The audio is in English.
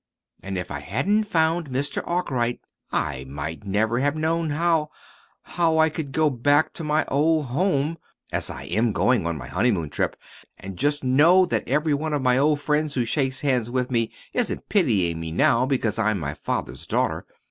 And if I hadn't found Mr. Arkwright, I might never have known how how I could go back to my old home (as I am going on my honeymoon trip), and just know that every one of my old friends who shakes hands with me isn't pitying me now, because I'm my father's daughter.